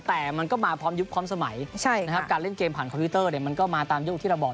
แต่มันก็มาพร้อมยุคพร้อมสมัยนะครับการเล่นเกมผ่านคอมพิวเตอร์เนี่ยมันก็มาตามยุคที่เราบอก